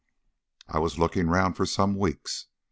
I was looking round for some weeks.